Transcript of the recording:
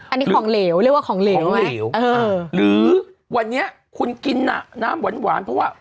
อันนี้ของเหลวเรียกว่าของเหลวเหลวหรือวันนี้คุณกินน่ะน้ำหวานเพราะว่า